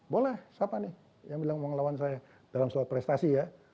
boleh siapa nih yang bilang mau ngelawan saya dalam suatu prestasi ya